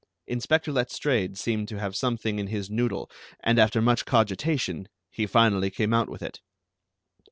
Inspector Letstrayed seemed to have something in his noodle, and after much cogitation he finally came out with it.